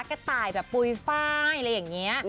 กระต่ายแบบปุยฟ้ายอะไรอย่างเงี้ย